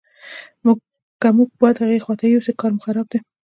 که مو باد هغې خواته یوسي کار مو خراب دی.